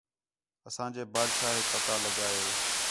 اسانجے بادشاہک پتا لڳا ہِے